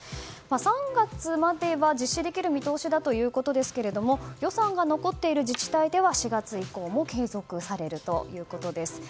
３月までは実施できる見通しということですけども予算が残っている自治体では４月以降も継続されるということです。